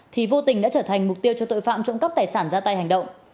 thì vô tình đã trở thành mục tiêu cho tội phạm trộm cắp tài sản ra tay hành động